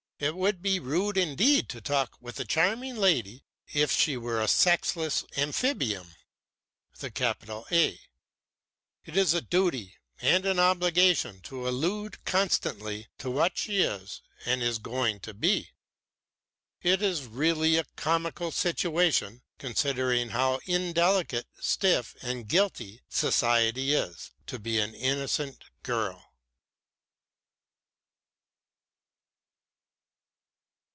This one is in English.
It would be rude indeed to talk with a charming lady as if she were a sexless Amphibium. It is a duty and an obligation to allude constantly to what she is and is going to be. It is really a comical situation, considering how indelicate, stiff and guilty society is, to be an innocent girl."